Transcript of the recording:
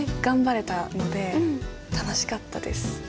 頑張れたので楽しかったです